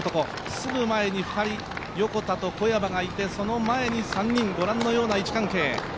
すぐ前に２人、横田と小山がいてその前に３人、ご覧のような位置関係。